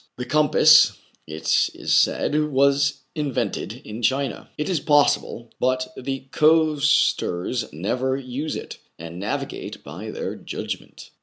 The compass, it is said, was in vented in China. This is possible ; but the coast ers never use it, and navigate by their judgment.